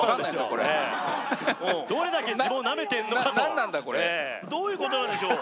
これどれだけ自分をなめてんのかと何なんだこれどういうことなんでしょう？